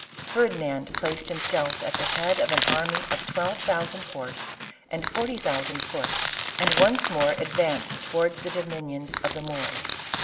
. Ferdinand placed himself at the head of an army of twelve thousand horse and forty thousand foot, and once more advanced towards the dominions of the Moors.